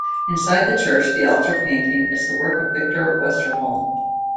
Inside the church, the altar painting is the work of Victor Westerholm.